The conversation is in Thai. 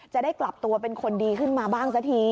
จะได้กลับตัวเป็นคนดีขึ้นมาบ้างสักที